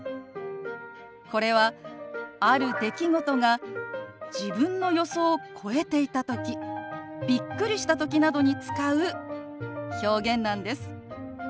これはある出来事が自分の予想を超えていたときびっくりしたときなどに使う表現なんです。